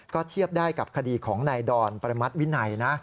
ก็เทียบได้กับคดีของนายดอนประมัติวินัยนะ